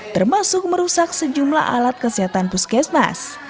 termasuk merusak sejumlah alat kesehatan puskesmas